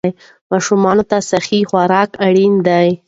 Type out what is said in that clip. ماشومان ته صحي خوراک اړین دی.